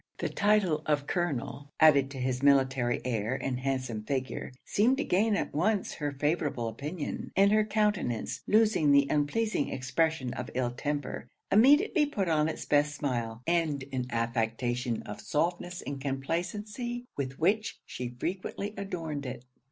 The title of Colonel, added to his military air and handsome figure, seemed to gain at once her favourable opinion; and her countenance losing the unpleasing expression of ill temper, immediately put on its best smile, and an affectation of softness and complacency with which she frequently adorned it.